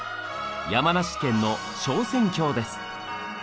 山梨県の昇仙峡です。